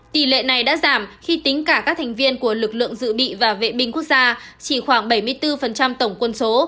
tỷ lệ này đã giảm khi tính cả các thành viên của lực lượng dự bị và vệ binh quốc gia chỉ khoảng bảy mươi bốn tổng quân số